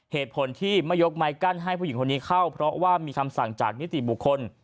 เหตุผลที่ไม่ยกไม้กั้นให้ผู้หญิงคนนี้เข้าเพราะว่ามีคำสั่งจากนิติบุคคล